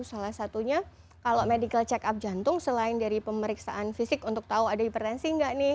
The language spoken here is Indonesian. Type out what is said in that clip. salah satunya kalau medical check up jantung selain dari pemeriksaan fisik untuk tahu ada hipertensi nggak nih